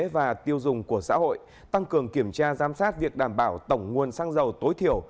và tiêu dùng của xã hội tăng cường kiểm tra giám sát việc đảm bảo tổng nguồn xăng dầu tối thiểu